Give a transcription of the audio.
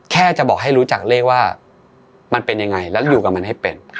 แค่จะบอกให้รู้จักเลขว่ามันเป็นยังไงแล้วอยู่กับมันให้เป็น